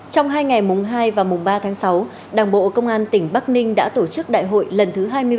trong hai ngày mùng hai và mùng ba tháng sáu đảng bộ công an tỉnh bắc ninh đã tổ chức đại hội lần thứ hai mươi bảy